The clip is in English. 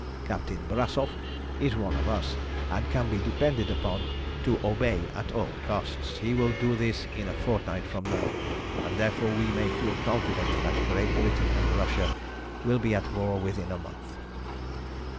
Captain Brassoff is one of us, and can be depended upon to obey at all costs. He will do this in a fortnight from now, and therefore we may feel confident that Great Britain and Russia will be at war within a month.